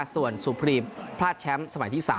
ส่วนสุพรีมพลาดแชมป์สมัยที่๓